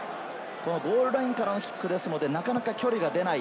ゴールラインからのキックですのでなかなか距離が出ない。